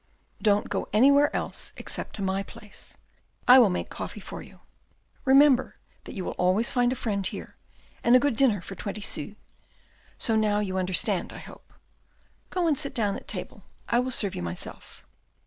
" Don't go anywhere else, except to my place. I will make coffee for you. Remember that you will always find a friend here, and a good dinner for twenty sous. So now you understand, I hope. Go and sit down at table, I will serve you myself."